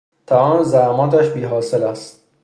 تمام زحماتش بی حاصل است